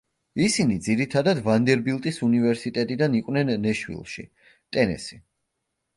ისინი ძირითადად ვანდერბილტის უნივერსიტეტიდან იყვნენ, ნეშვილში, ტენესი.